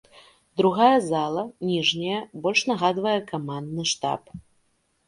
Другая зала, ніжняя, больш нагадвае камандны штаб.